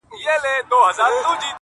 ویل پوه لا د ژوندون په قانون نه یې!!